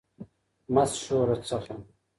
مست شوره څخه